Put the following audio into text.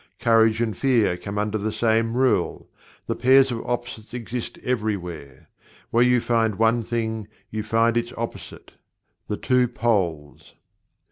Courage and Fear come under the same rule. The Pairs of Opposites exist everywhere. Where you find one thing you find its opposite the two poles.